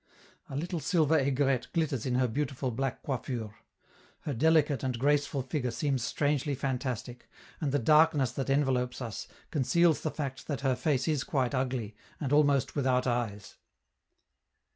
A little silver aigrette glitters in her beautiful black coiffure; her delicate and graceful figure seems strangely fantastic, and the darkness that envelops us conceals the fact that her face is quite ugly, and almost without eyes.